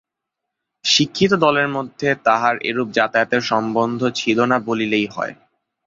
শিক্ষিত দলের মধ্যে তাহার এরূপ যাতায়াতের সম্বন্ধ ছিল না বলিলেই হয়।